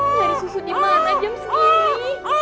dari susu dimana jam segini